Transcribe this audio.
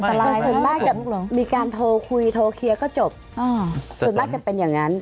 แต่ส่วนมากจะมีการโทรคุยโทรเคลียร์ก็จบส่วนมากจะเป็นอย่างนั้น